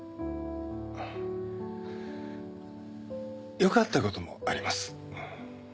よかったこともあります。